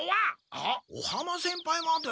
あっ尾浜先輩まで！？